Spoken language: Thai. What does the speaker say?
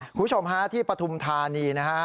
คุณผู้ชมฮะที่ปฐุมธานีนะฮะ